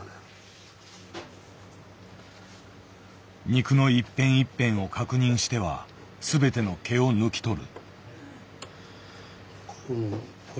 肉の一片一片を確認しては全ての毛を抜き取る。